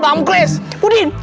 bang muklis pudin